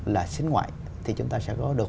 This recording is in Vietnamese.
là xinh ngoại thì chúng ta sẽ có được